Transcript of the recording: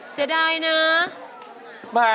เสียดายนะ